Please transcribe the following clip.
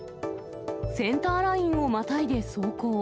センターラインをまたいで走行。